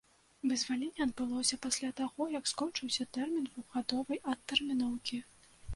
Вызваленне адбылося пасля таго, як скончыўся тэрмін двухгадовай адтэрміноўкі.